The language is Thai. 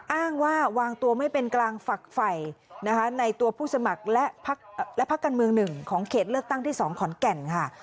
อ้างว่าวางตัวไม่เป็นกลางฝักไฟนะคะในตัวผู้สมัครและพักการเมืองหนึ่งของเขตเลือกตั้งที่๒ขอนแก่นค่ะ